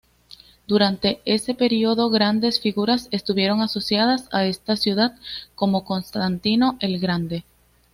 Durante ese periodo, grandes figuras estuvieron asociadas a esta ciudad, como Constantino el Grande.